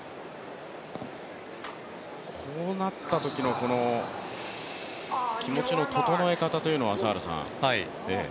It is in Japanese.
こうなったときの気持ちの整え方というのは、朝原さん。